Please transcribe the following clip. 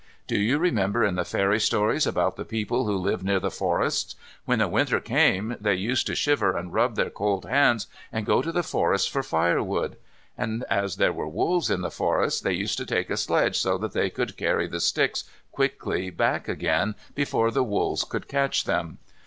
Do you remember in the fairy stories about the people who lived near the forests? When the winter came they used to shiver and rub their cold hands and go to the forests for firewood. And as there were wolves in the forest they used to take a sledge so that they could carry the sticks quickly back again before the wolves could catch them.